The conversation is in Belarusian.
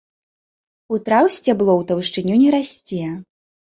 У траў сцябло ў таўшчыню не расце.